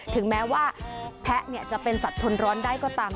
ถึงแม้ว่าแพะจะเป็นสัตว์ทนร้อนได้ก็ตาม